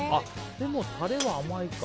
でも、タレは甘いか。